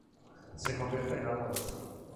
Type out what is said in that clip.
Se convierte en algo nuestro.